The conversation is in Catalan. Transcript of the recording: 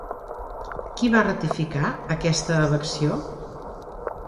Qui va ratificar aquesta elecció?